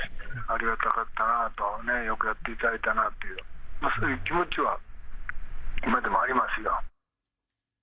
ありがたかったなと、よくやっていただいたなと、そういう気持ちは今でもありますよ。